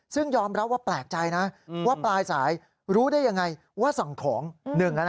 ซึ่งยอมรับว่าแปลกใจนะว่าปลายสายรู้ได้ยังไงว่าสั่งของ